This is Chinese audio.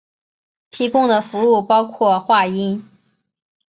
提供的服务包括话音。